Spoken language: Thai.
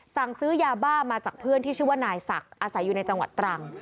สั่งซื้อยาบ้ามาจากเพื่อนที่ชื่อว่านายศักดิ์อาศัยอยู่ในจังหวัดตรัง